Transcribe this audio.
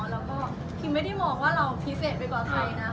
แล้วก็คือไม่ได้มองว่าเราพิเศษไปกว่าใครนะ